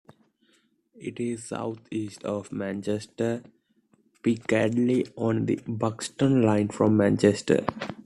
It is south east of Manchester Piccadilly on the Buxton Line from Manchester.